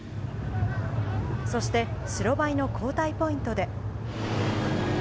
そして、白バイの交代ポイントで。